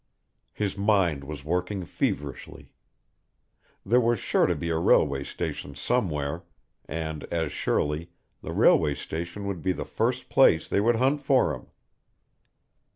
His mind was working feverishly. There was sure to be a railway station somewhere, and, as surely, the railway station would be the first place they would hunt for him.